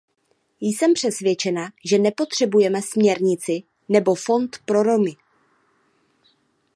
Jsem přesvědčena, že nepotřebujeme směrnici nebo fond pro Romy.